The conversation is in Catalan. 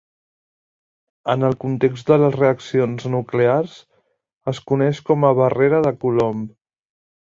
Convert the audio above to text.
En el context de les reaccions nuclears, es coneix com a barrera de Coulomb.